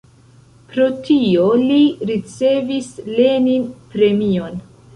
Pro tio li ricevis Lenin-premion.